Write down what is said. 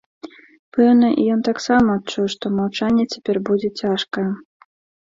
Пэўна, і ён таксама адчуў, што маўчанне цяпер будзе цяжкае.